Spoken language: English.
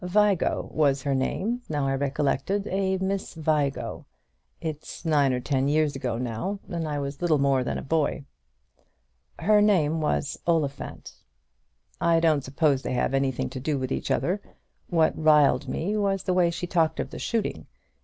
Vigo was her name; now I recollect it, a Miss Vigo. It's nine or ten years ago now, and I was little more than a boy." "Her name was Oliphant." "I don't suppose they have anything to do with each other. What riled me was the way she talked of the shooting.